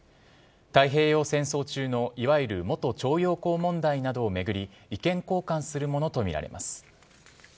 太平洋戦争中の、いわゆる元徴用工問題などを巡り、意見交換するものと見られます。